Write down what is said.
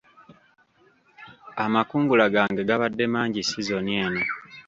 Amakungula gange gabadde mangi sizoni eno.